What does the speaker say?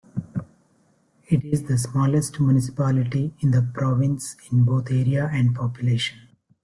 It is the smallest municipality in the province, in both area and population.